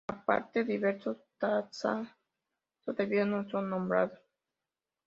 Aparte, diversos taxa todavía no son nombrados.